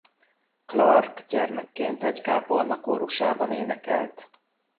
Clark gyermekként egy kápolna kórusában énekelt.